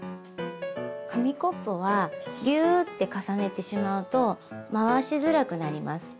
紙コップはギューって重ねてしまうと回しづらくなります。